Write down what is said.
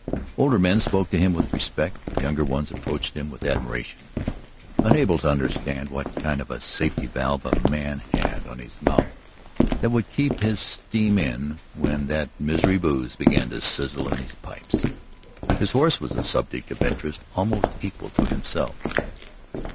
Older men spoke to him with respect, younger ones approached him with admiration, unable to understand what kind of a safety valve a man had on his mouth that would keep his steam in when that Misery booze began to sizzle in his pipes. His horse was a subject of interest almost equal to himself.